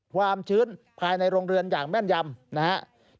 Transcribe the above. ความชื้นภายในโรงเรือนอย่างแม่นยำนะครับ